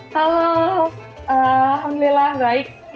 halo alhamdulillah baik